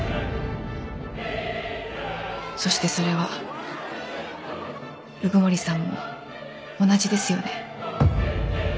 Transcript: そしてそれは鵜久森さんも同じですよね？